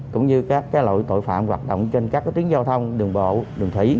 cũng như các loại tội phạm hoạt động trên các tuyến giao thông đường bộ đường thủy